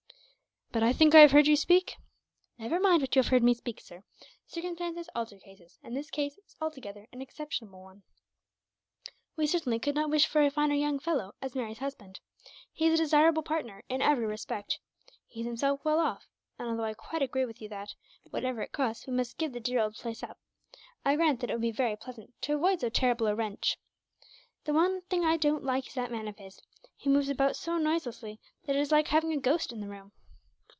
"But I think I have heard you speak " "Never mind what you have heard me speak, sir; circumstances alter cases, and this case is altogether an exceptional one. "We certainly could not wish for a finer young fellow as Mary's husband. He is a desirable partner, in every respect. He is himself well off and, although I quite agree with you that, whatever it costs, we must give the dear old place up, I grant that it would be very pleasant to avoid so terrible a wrench. "The one thing I don't like is that man of his. He moves about so noiselessly that it is like having a ghost in the room."